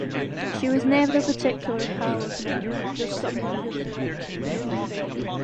She was never a particular pal of mine, just someone who was around